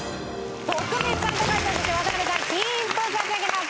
徳光さん高橋さんそして渡辺さん金一封差し上げます！